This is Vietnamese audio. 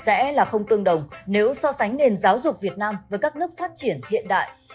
sẽ là không tương đồng nếu so sánh nền giáo dục việt nam với các nước phát triển hiện đại